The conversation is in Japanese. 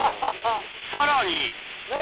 さらに何？